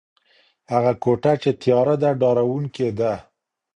هغه کوټه چي تياره ده ډارونکي ده.